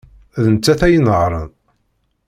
D nettat ay inehhṛen.